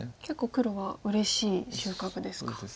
結構黒はうれしい収穫ですか。